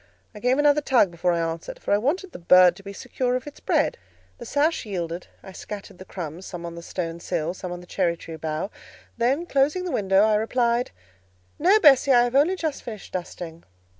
I gave another tug before I answered, for I wanted the bird to be secure of its bread: the sash yielded; I scattered the crumbs, some on the stone sill, some on the cherry tree bough, then, closing the window, I replied— "No, Bessie; I have only just finished dusting."